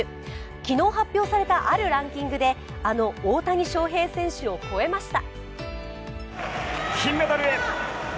昨日発表されたあるランキングで、あの大谷翔平選手を超えました。